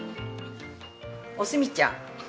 おすみちゃん。